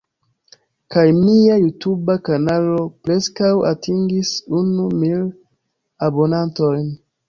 Kaj mia Jutuba kanalo preskaŭ atingis unu mil abonantojn.